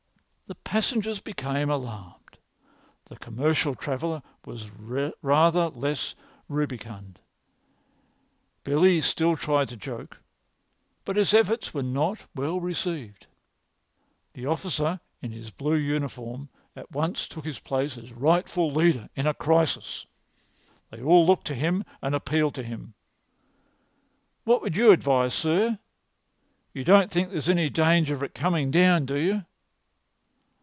The passengers became alarmed. The commercial traveller was rather less rubicund. Billy still tried to joke, but his efforts were not well received. The[Pg 247] officer in his blue uniform at once took his place as rightful leader in a crisis. They all looked to him and appealed to him. "What would you advise, sir? You don't think there's any danger of it coming down, do you?"